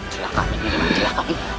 silahkan ini silahkan ini